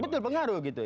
betul pengaruh gitu